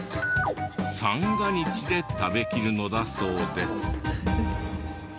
三が日で食べきるのだそうです。